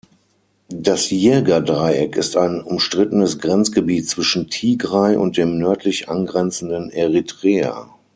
Das Yirga-Dreieck ist ein umstrittenes Grenzgebiet zwischen Tigray und dem nördlich angrenzenden Eritrea.